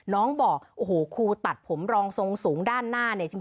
น้องบอกโอ้โหครูตัดผมรองสูงด้านหน้าเนี่ย